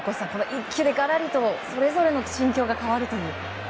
１球でがらりとそれぞれの心境が変わると。